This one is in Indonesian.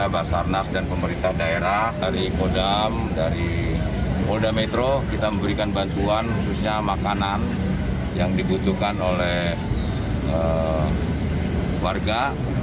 basarnas dan pemerintah daerah dari kodam dari polda metro kita memberikan bantuan khususnya makanan yang dibutuhkan oleh warga